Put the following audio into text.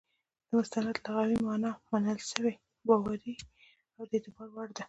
د مستند لغوي مانا منل سوى، باوري، او د اعتبار وړ ده.